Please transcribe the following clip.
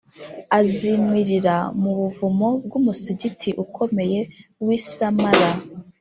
azimirira mu buvumo bw’umusigiti ukomeye w’i sāmarra